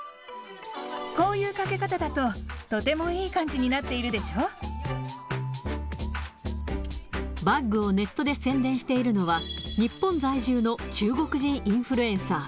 こういうかけ方だととてもいバッグをネットで宣伝しているのは、日本在住の中国人インフルエンサー。